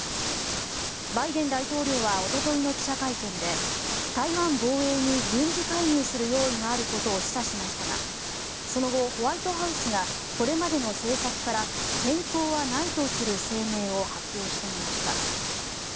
バイデン大統領はおとといの記者会見で台湾防衛に軍事介入する用意があることを示唆しましたがその後、ホワイトハウスがこれまでの政策から変更はないとする声明を発表していました。